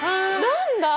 何だ！